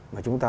mà chúng ta